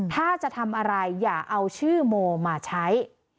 ถ้าจะทำอะไรอย่าเอาชื่อโมมาใช้